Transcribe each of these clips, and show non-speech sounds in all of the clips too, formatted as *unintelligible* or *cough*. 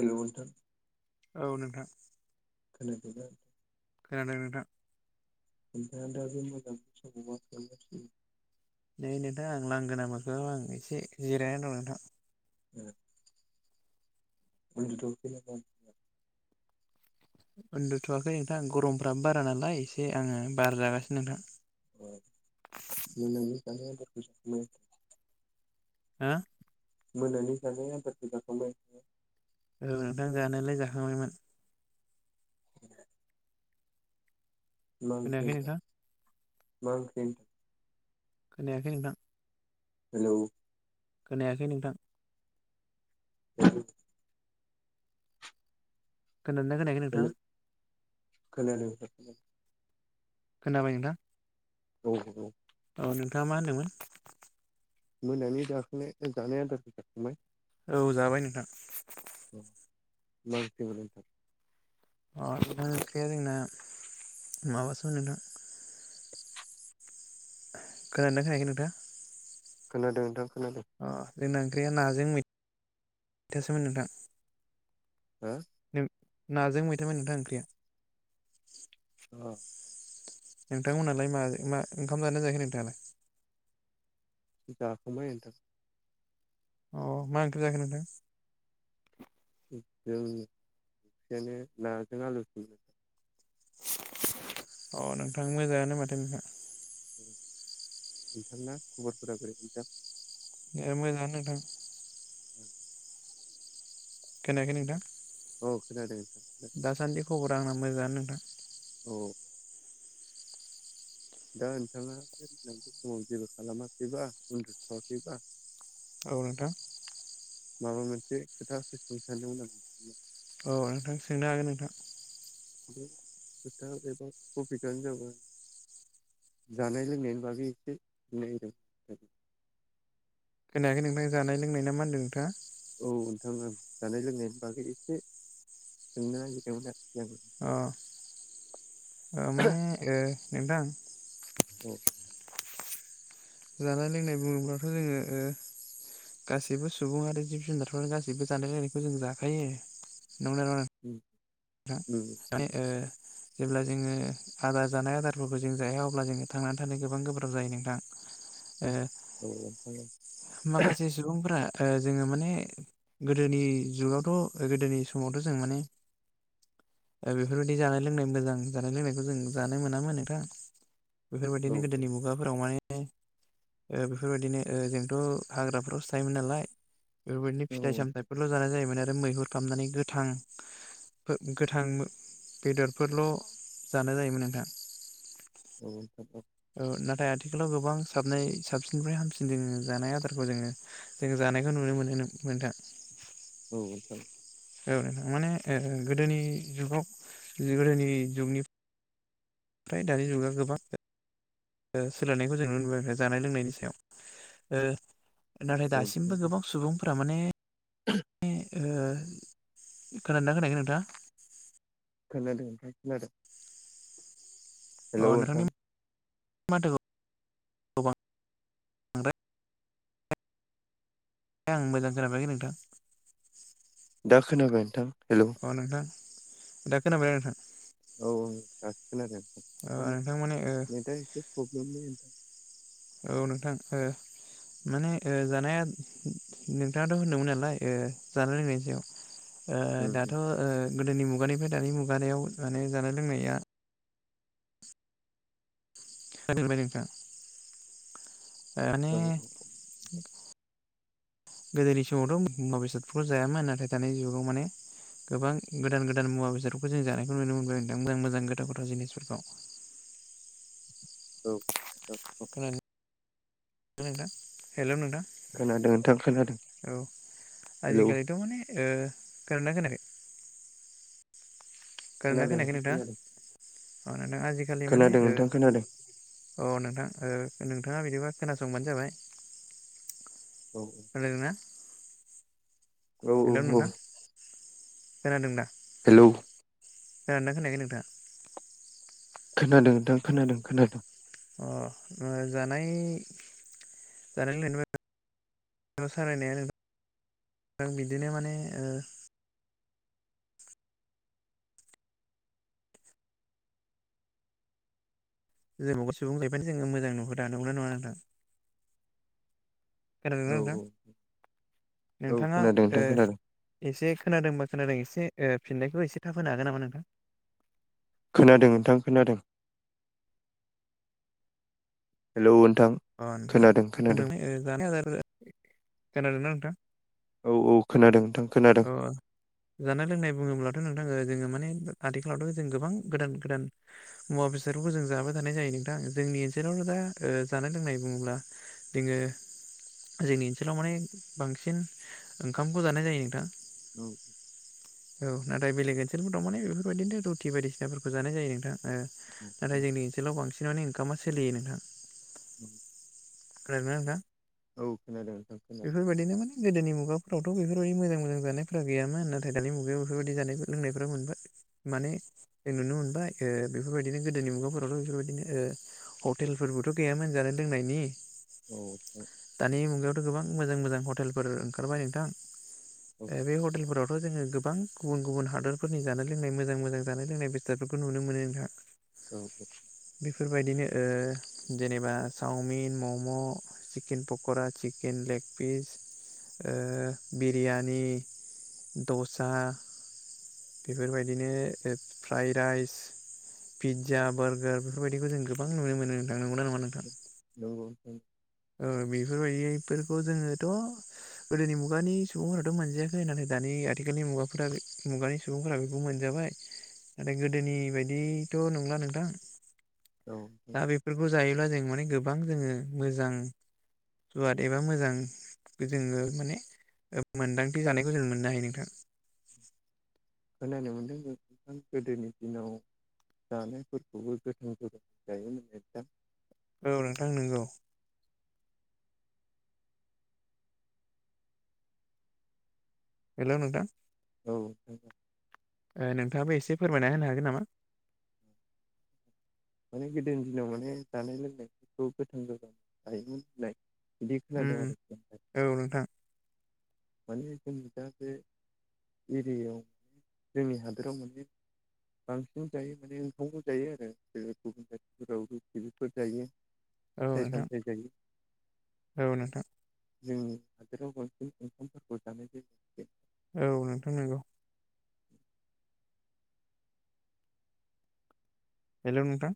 हेल' नोंथां। औ नोंथां। खोनादों ना? खोनादों नोंथां। *unintelligible* नै नोंथां आं लांगोना माखांआव आं एसे जिरायना दं नोंथां। ओ। उनदुथ'वाखै नामा? उन्दुथ'वाखै नोंथां गरमफ्राबो बारा नालाय एसे आङो बार जागासिनो नोंथां। अ मोनानि जानाय आदारखौ जाखांबाय? हा मोनानि जानाय आदारखौ जाखांबाय औ नोंथां जानायालाय जाखांबायमोन मा ओंख्रि नोंथां मा ओंख्रि खोनायाखै नोंथां हेलौ खोनायाखै नोंथां *inaudible* खोनादोंना खोनायाखै नोंथाङा खोनादों खोनाबाय नोंथां औ औ नोंथाङा मा होनदोंमोन मोनानि जाखांनाय जानाय आदारखौ जाखांबाय औ जाबाय नोंथां मा ओंख्रि मोन अ नोंथां ओंख्रिया जोंना माबासो होनदों खोनादोना खोनाखै नोंथाङा खोनादों नोंथां खोनादों अ जोंना ओंख्रिया नाजों मैथासोमोन नोंथां हो नाजों मैथामोन नोंथां ओंख्रिया औ नोंथांमोनहालाय मा मा ओंखाम जादोना जायाखै नोंथाङालाय जाखांबाय नोंथां अ मा ओंख्रि जाखो नोंथां जों एसेयानो नाजों आलु संनो अ नोंथां मोजाङानो माथो नोंथां नोंथां नोंथांना खबरफोरा बोरैहाय नोंथां ओ मोजांयानो नोंथां *inaudible* खोनायाखै नोंथां औ खोनादों नोंथां खोनादों दासान्दि खबरा आंना मोजाङानो नोंथां औ दा नोंथाङा बे समाव जेबो खालामाखैबा उन्दुथ'वाखैबा औ नोंथां माबा मोनसे खोथा सोंनो सानदोंमोन आं औ नोंथां सोंनो हागोन नोंथां गोथ बेब ख बि गानो जाब *inaudible* जानाय लोंनायनि बागै एसे बुंनाहोदो खोनायाखै नोंथां जानाय लोंनाय ना मा‌ होनदों नोंथाङा औ नोंथाङा जानाय लोंनायनि बागै एसे सोंनो नागिरदोंमोन आरो अ माने ओ नोंथां औ जानाय लोंनाय बुङोब्लाथ' जोङो ओ गासैबो सुबुं आरो जिब जुनारफोर गासैबो जानाय लोंनायखौ जों जाखायो नंगौना नंङा उम उम नोंथां माने ओ जेब्ला जोङो आदार जानाय आदारफोरखौ जों जाया अब्ला जोङो थांनानै थानो गोबां गोब्राब जायो नोंथां ओ औ माखासे सुबुंफोरा ओ जोङो माने गोदोनि जुगावथ' गोदोनि समावथ' जों माने दा बेफोरबायदि जानाय लोंनाय मोजां जानाय लोंनायखौ जों जानो मोनामोन नोंथां। औ बेफोरबायदिनो औ गोदोनि मुगाफोराव माने ओ बेफोरबायदिनो ओ जों थ' हाग्राफ्रावसो थायोमोन नालाय बेफोरबायदिनो औ फिथाइ नोंथां सामथाइफोरल' जानाय जायोमोन आरो। आरो मैहुर खालामनानै गोथां गोथां बेदरफोरल' जानाय जायोमोन नोंथां। औ औ। नाथाय आथिखालाव गोबां साबनाय साबसिननिफ्राय हामसिन जोङो जानाय आदारखौ जोङो जों जानायखौ नुनो मोनो मोन नोंथां। औ नोंथां। औ नोंथां माने ओ गोदोनि जुगाव गोदोनि जुगनि ओमफ्राय दानि जुगा गोबां ओ सोलायनायखौ जों नुनो मोनबाय जानाय लोंनायनि सायाव ओ नाथाय औ दासिमबो नोंथां गोबां सुबुंफोरा माने *inaudible* ओ खोनादों ना खोनायाखै नोंथाङा? खोनादों नोंथां खोनादों। अ हेल' नोंथांनि नोंथां माथोखौ *unintelligible* आं मोजां खोनाफैयाखै नोंथां। दा खोनाबाय नोंथां। हेलौ अ नोंथां दा खोनाबाय ओ नोंथां। औ औ दासो खोनादों अ *unintelligible* नोंथां माने ओ नेटा एसे प्रब्लेममोन। औ नोंथां ओ। माने ओ जानाया नोंथाङाथ' होनदोंमोन नालाय ओ जानाय लोंनायनि सायाव। ओ उम दाथ' ओ गोदोनि मुगानिफ्राय दानि मुगानायाव माने जानाय लोंनाया सोलायबाय नोंथां उम औ माने गोदोनि समावथ' मुवा बेसादफोरखौ जायामोन नाथाय दानि जुगाव माने गोबां गोदान गोदान मुवा बेसादफोरखौ जों जानायखौ नुनो मोनबाय नोंथां मोजां मोजां गोथाव गोथाव जिनिसफोरखौ। औ। औ औ खोनादोंना नोंथां हेल' नोंथां खोनादों नोंथां खोनादों औ हेलौ आजिखालिथ' माने ओ खोनादोंना खोनायाखै? खोनादोंना खोनादों खोनायाखै नोंथाङा खोनादों। अ नोंथां आजिखालि माने खोनादों ओ नोंथां खोनादों अ नोथां ओ। नोंथाङा बिदिबा खोनासंबानो जाबाय औ रायलायदोंना। औ औ औ। खोनादों दा? हेलौ खोनादोंना खोनायाखै नोंथां? खोनादों नोंथां खोनादों खोनादों। अ जानायनि जानाय लोंनायनि *unintelligible* *unintelligible* सालायनाया नोंथां बिदिनो माने ओ *unintelligible* जोङो मोजां नुहुरा नोंगौना नङा नङा नोंथां? खोनादोंना औ नोंथां औ। औ नोंथाङा खोनादों ओ नोंथां खोनादों एसे खोनादोंबा खोनादों एसे ओ फिननायखौ एसे थाब होनो हागोन नामा नोंथां? खोनादों नोंथां खोनादों। हेलौ। अ खोनादों खोनादों नोंथां जानाय आदार खोनादों ना नोंथां? औ औ खोनादों नोंथां खोनादों अ जानाय लोंनाय बुङोब्लाथ' नोंथां जोङो माने आथिखालावथ' जों गोबां गोदान गोदान मुवा बेसादफोरखौ जों जाबाय थानाय जायो नोंथां जोंनि ओनसोलाव दा ओ जानाय लोंनाय बुङोब्ला जोङो जोंनि ओनसोलाव माने बांसिन ओंखामखौ जानाय जायो नोंथां। *inaudible* औ नाथाय बेलेग ओनसोलफोर दं माने बेफोरबायदिनो रुथि बायदिसिनाफोरखौ जानाय जायो नोंथां ओ औ नाथाय जोंनि ओनसोलाव बांसिनानो ओखामा सोलियो नोंथां। *inaudible* खोनादों ना नोंथां? औ खोनादों। खोनादों बेफोरबायदिनो माने गोदोनि मुगाफ्रावथ' बेफोरबायदि मोजां मोजां जानायफ्रा गैयामोन नाथाय दानि मुगायाव बेफोरबायदि जानाय लोंनायफ्रा मोनबाय। माने नुनो मोनबाय ओ बेफोरबायदिनो गोदोनि मुगाफोरावथ' बेफोरबायदिनो ओ हटेल फोरबोथ' गैयामोन जानाय लोंनायनि औ। दानि मुगायावथ' गोबां मोजां मोजां हटेलफोर ओंखारबाय औ नोंथां। बे हटेलफोरावथ' जोङो गोबां गुबुन गुबुन हादरफोरनि जानाय लोंनाय मोजां मोजां जानाय लोंनाय बेसादफोरखौ खौ नुनो मोनो नोंथां। औ औ। बेफोरबायदिनो ओ जेनेबा चावमिन मम' chicken pakora chicken leg piece ओ बिरियानि दसा बेफोरबायदिनो फ्राय राइस पिज्जा बारगार बेफोरबायदिखौ जों गोबां नुनो मोनो नोंथां। नंगौना नङा नोंथां नंगौ नोंथां ओम। बेफोरबायदिफोरखौ जोङोथ' गोदोनि मुगानि सुबुंफोराथ' मोनजायाखै होननानै नाथाय दानि आथिखाल आथिखालनि मुगाफोरा मुगानि सुबुंफोरा बेखौ मोनजाबाय नाथाय गोदोनि बायदि थ नंला नोंथां दा औ बेफोरखौ जायोब्ला जों माने गोबां जोङो मोजां सुवाद एबा मोजां जोङो माने मोन्दांथि जानायखौ जों मोननो हायो नोंथां। *inaudible* खोनानो मोनदों नों गोदोनि दिनाव जानायफोरखौबो गोथां गोब्राम जायोमोन दां। औ नोंथां नंगौ। हेल' नोंथां। औ औ। नोंथाङाबो एसे फोरमायना होनो हागोन नामा? माने गोदोनि दिनाव माने जानाय लोंनायफोरखौ गोथां गोब्राम जायोमोन होननाय। बिदि खोनादों उम आरोखि औ नोंथां माने जों न दा जे एरियायाव जोंनि हादोराव मोनसे बांसिन जायो माने ओंखामबो जायो आरो। गुबुन जाथिफोरावबो फलिकफोर जायो औ फिथाइ नोंथां सामथाय जायो। औ नोंथां। जोंनि हादोराव बांसिन ओंखामफोरखौ जानायजों औ नोंथां नंगौ। हेलौ नोंथां।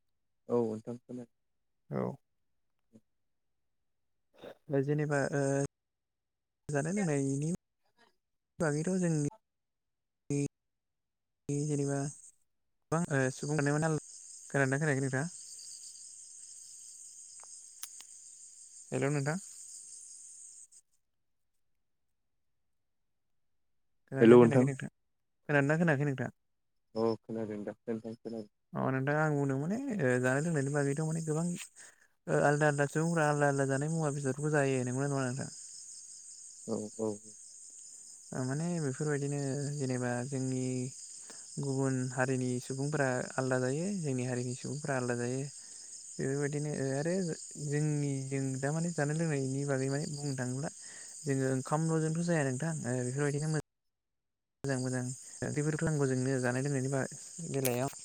औ नोंथां खोनादों। औ। जेनेबा जानाय लोंनायनि बागैथ' जोंनि जेनेबा मा होनो खोनादोंना खोनायाखै नोंथाङा हेल' नोंथां खोनाना खोनायाखै नोंथां खोनादोंना खोनायाखै नोंथां औ खोनादों दा नोंथां खोनादों अ नोंथां आं बुंदों माने जानाय लोंनाय बा बेथ माने गोबां आलदा आलदा सुबुंफ्रा आलदा आलदा जानाय मुवा बेसादफोरखौ जायो नोंगौना नङा नोंथां औ औ माने बेफोरबायदिनो जेनेबा जोंनि गुबुन हारिनि सुबुंफोरा आलादा जायो जोंनि हारिनि सुबुंफोरा आलादा जायो बेफोरबायदिनो आरो जोंनि जों द माने जानाय लोंनायनि बागै मान बुंनो थाङोब्ला जोङो ओंखाम न'जोंथ' जाया नोंथां ओ- बेफोरबायदिनो मोजां मोजां मोजां बेब खालामनांगौ जोंनो जानाय लोंनायनि बेलायाव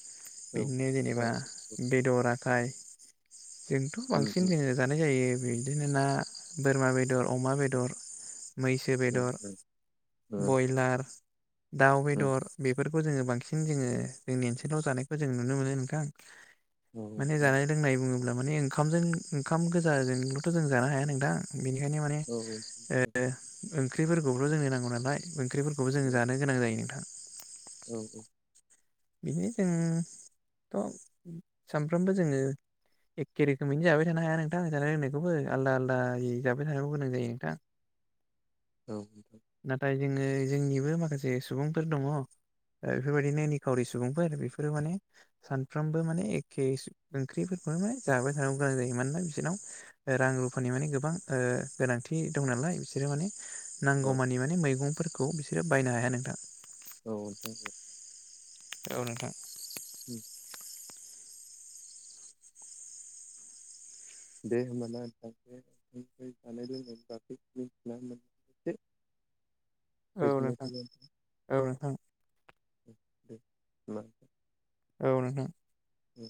दे बिदिनो होमबा जेनेबा बेदर आखाय जोंथ' बांसिन जोङो जानाय जायो बिदिनो ना बोरमा बेदर अमा बेदर मैसो बेदर ना बयलार दाउ बेदर बेफोर खौ जोङो बांसिन जोङो जोंनि ओनसोलाव जानायखौ जों नुनो मोनो नोंथां माने जानाय लोंनाय बुङोब्ला माने ओंखामजों ओंखाम गोजाजोंल'थ' जों जानो हाया नोंदां बेनिखायनो माने ओ- ओंख्रिफोरखौब्र' जोंनो नांगौ नालाय ओं जों जानो गोनां जायो नोंथां बिनो जोंथ' सानफ्रोमबो जोङो एखे रोखोमैनो जाबाय थानो हाया नोंथां जानाय लोंनायखौबो आलदा आलदा जाबाय थानोखौ गोनां जायो नोंथां औ नाथाय जोङो जोंनिबो माखासे सुबुंफोर दङ बेफोरबायदिनो खावरि सुबुंफोर आरो बेफोरो माने सानफ्रोमबो माने एखे ओंख्रिफोरखौनो म जाबाय थानांगौ मोजां जायो मानोना बिसोरनाव रां रुफानि माने गोबां गोनांथि दं नालाय बिसोरो माने नांगौमानि माने मैगंफोरखौ बिसोरो बायनो हाया नोंथां नोंथां औ नोंथां उम दे होनबा नोंथां जानाय लोंनायनि ब मिथिना मोन *unintelligible* औ नोंथां औ नोंथां *unintelligible* औ नोंथां उ